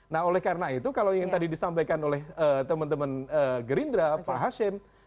nah oleh karena itu kalau yang tadi disampaikan oleh teman teman gerindra pak hashim